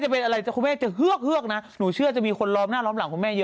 แต่พอคุณแม่จะเฮือกนะหนูเชื่อจะมีคนล้อมหน้าล้อมหลังคุณแม่เยอะ